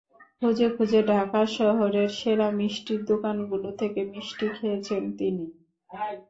খুঁজে খুঁজে ঢাকা শহরের সেরা মিষ্টির দোকানগুলো থেকে মিষ্টি খেয়েছেন তিনি।